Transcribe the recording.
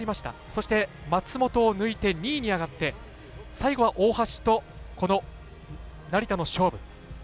そして、松本を抜いて２位に上がって、最後は大橋と成田の勝負。